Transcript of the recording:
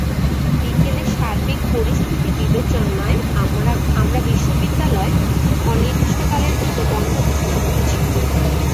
বিকেলে সার্বিক পরিস্থিতি বিবেচনায় আমরা বিশ্ববিদ্যালয় অনির্দিষ্টকালের জন্য বন্ধ ঘোষণা করেছি।